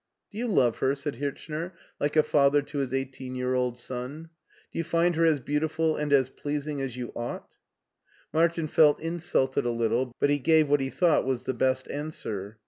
" Do you love her ?" said Hirchner, like a father to his eighteen year old son ;" do you find her as beauti ful and as pleasing as you ought ?" Martin felt insulted a little, but he gave what he thought was the best answer.